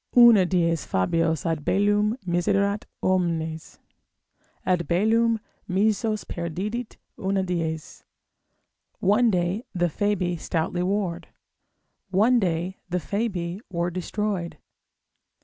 Una dies Fabios ad bellum miserat omnes, Ad bellum missos perdidit una dies. One day the Fabii stoutly warred, One day the Fabii were destroyed.